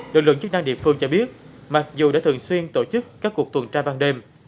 lực lượng chức năng địa phương cho biết mặc dù đã thường xuyên tổ chức các cuộc tuần tra ban đêm